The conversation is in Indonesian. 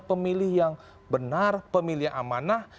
pilihan yang benar pemilihan amanah